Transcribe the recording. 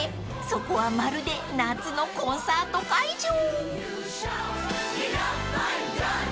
そこはまるで夏のコンサート会場］